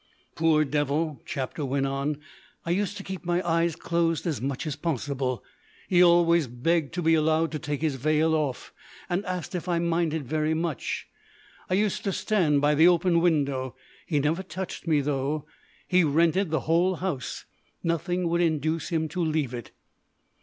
"Poor devil," Chapter went on; "I used to keep my eyes closed as much as possible. He always begged to be allowed to take his veil off, and asked if I minded very much. I used to stand by the open window. He never touched me, though. He rented the whole house. Nothing would induce him to leave it."